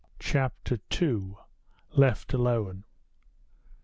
CHAPTER II. LEFT ALONE.